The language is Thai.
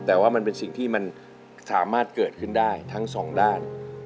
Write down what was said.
แต่ว่ามันเป็นสิ่งที่มันสามารถเกิดขึ้นได้ทั้งสองด้าน